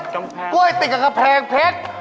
กล้วยติดกับกำแพงเพชร